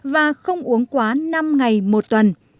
và không uống quá năm ngày một tuần